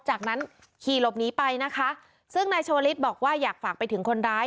จากนั้นขี่หลบหนีไปนะคะซึ่งนายชวลิศบอกว่าอยากฝากไปถึงคนร้าย